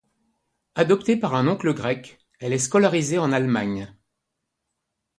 Adoptée par un oncle grec, elle est scolarisée en Allemagne.